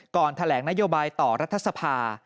แถลงนโยบายต่อรัฐสภา